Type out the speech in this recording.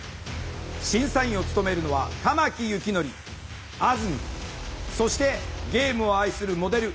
審査員を務めるのは玉木幸則あずみんそしてゲームを愛するモデル